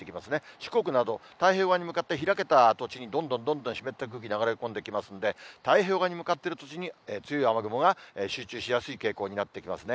四国など、太平洋側に向かって開けた土地にどんどんどんどん湿った空気流れ込んできますので、太平洋側に向かっている土地に、強い雨雲が集中しやすい傾向になってきますね。